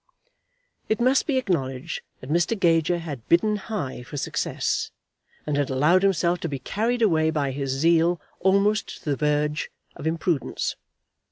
It must be acknowledged that Mr. Gager had bidden high for success, and had allowed himself to be carried away by his zeal almost to the verge of imprudence.